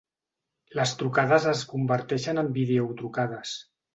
Les trucades es converteixen en videotrucades.